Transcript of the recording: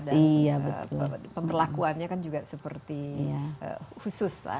dan pemberlakuannya kan juga seperti khusus